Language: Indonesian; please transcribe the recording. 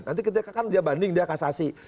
nanti ketika kan dia banding dia kasasi